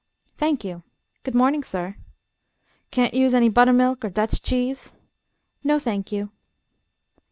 "Thank you. Good morning, sir." "Can't use any buttermilk er Dutch cheese?" "No, thank you."